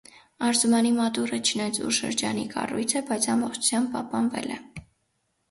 Արզումանի մատուռը չնայած ուշ շրջանի կառույց է, բայց ամբողջությամբ պահպանվել է։